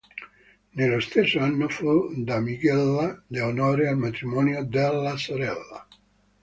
Nello stesso anno fu damigella d'onore al matrimonio della sorella.